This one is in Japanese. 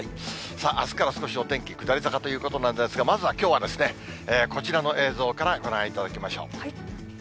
あすから少しお天気下り坂ということなんですが、まずはきょうは、こちらの映像からご覧いただきましょう。